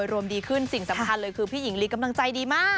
รวมดีขึ้นสิ่งสำคัญเลยคือพี่หญิงลีกำลังใจดีมาก